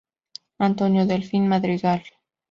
Antonio Delfín Madrigal.